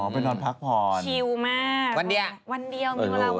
อ๋อไปนอนพักผ่อนชิวมากวันเดียวมีเวลาวันเดียว